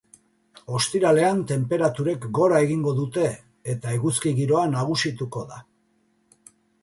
Ostiralean tenperaturek gora egingo dute eta eguzki giroa nagusituko da.